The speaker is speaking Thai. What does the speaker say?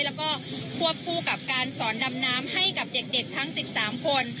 แล้วก็ควบคู่กับการสอนดำน้ำให้กับเด็กทั้ง๑๓คน